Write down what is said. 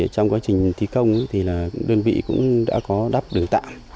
trong quá trình thi công thì đơn vị cũng đã có đắp đường tạm